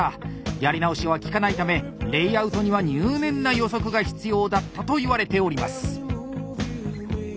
やり直しは利かないためレイアウトには入念な予測が必要だったといわれております。